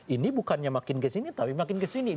ini bukannya makin kesini tapi makin kesini